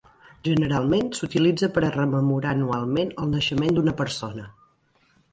Generalment s'utilitza per a rememorar anualment el naixement d'una persona.